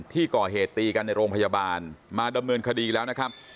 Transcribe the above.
ที่ก่อเหตุตีกันในโรงพยาบาลมาดำเนินคดีแล้วนะครับ